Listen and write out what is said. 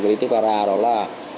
veritipara đó là